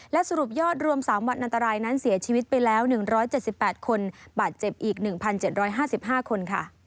และสรุปยอดรวม๓วันอันตรายนั้นเสียชีวิตไปแล้ว๑๗๘คนบาดเจ็บอีก๑๗๕๕คนค่ะ